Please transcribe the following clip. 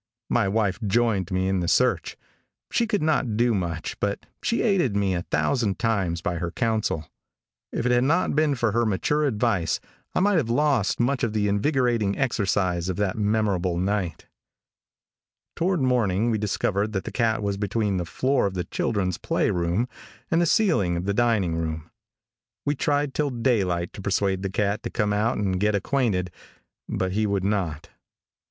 My wife joined me in the search. She could not do much, but she aided me a thousand times by her counsel. If it had not been for her mature advice I might have lost much of the invigorating exercise of that memorable night. Toward morning we discovered that the cat was between the floor of the children's play room and the ceiling of the dining room. We tried till daylight to persuade the cat to come out and get acquainted, but he would not.